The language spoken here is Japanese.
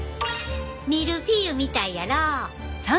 ミルフィーユみたいやろ。